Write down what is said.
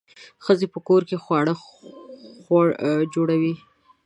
ښځې په کور کې خواړه جوړوي.